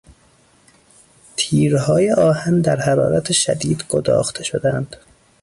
تیرهای آهن در حررات شدید گداخته شدند.